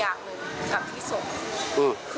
กับที่สบ